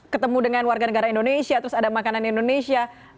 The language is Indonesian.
ketemu dengan warga negara indonesia terus ada makanan indonesia